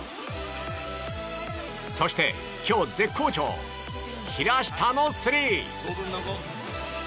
そして、今日絶好調平下のスリー！